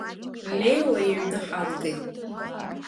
Леуа иҩны ҳалгеит.